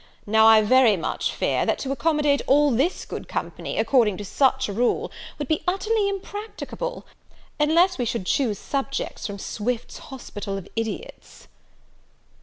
Now I very much fear, that to accommodate all this good company, according to such a rule, would be utterly impracticable, unless we should choose subjects from Swift's hospital of idiots."